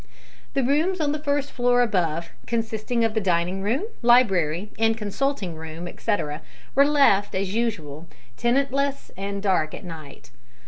The rooms on the first floor above, consisting of the dining room, library, and consulting room, etcetera, were left, as usual, tenantless and dark at night.